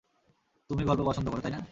তুমি গল্প পছন্দ কর, তাই না?